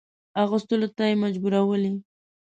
اغوستلو ته مجبورولې.